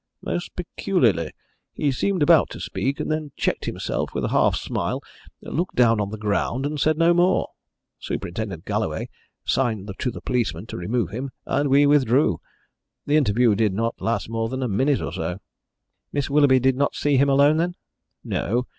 "Most peculiarly. He seemed about to speak, then checked himself with a half smile, looked down on the ground, and said no more. Superintendent Galloway signed to the policemen to remove him, and we withdrew. The interview did not last more than a minute or so." "Miss Willoughby did not see him alone, then?" "No.